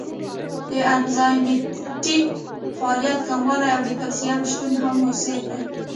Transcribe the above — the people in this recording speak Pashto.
د انزایمټیک فعالیت کموالی او د کلسیم شتون هم مؤثر دی.